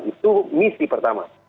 itu misi pertama